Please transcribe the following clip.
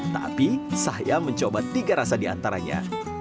tapi saya mencoba tiga rasa di antaranya